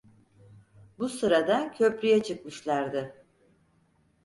Bu sırada köprüye çıkmışlardı.